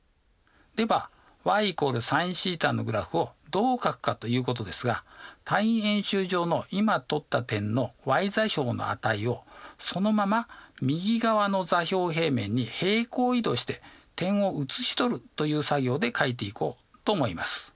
ではｙ＝ｓｉｎθのグラフをどうかくかということですが単位円周上の今取った点のｙ座標の値をそのまま右側の座標平面に平行移動して点をうつし取るという作業でかいていこうと思います。